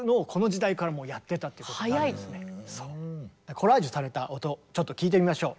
コラージュされた音ちょっと聴いてみましょう。